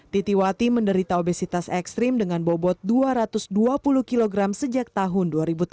titiwati menderita obesitas ekstrim dengan bobot dua ratus dua puluh kg sejak tahun dua ribu tujuh belas